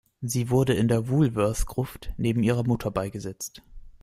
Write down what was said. Sie wurde in der Woolworth-Gruft neben ihrer Mutter beigesetzt.